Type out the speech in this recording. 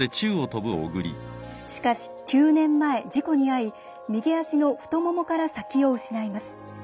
しかし９年前、事故に遭い右足の太ももから先を失います。